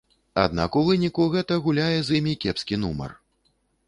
Аднак у выніку гэта гуляе з імі кепскі нумар.